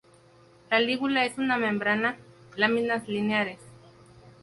La lígula es una membrana; láminas lineares.